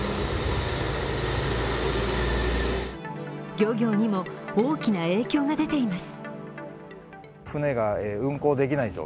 漁業にも大きな影響が出ています。